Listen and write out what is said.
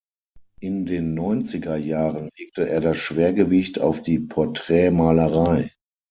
In den neunziger Jahren legte er das Schwergewicht auf die Porträtmalerei.